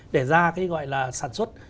để ra cái gọi là sản xuất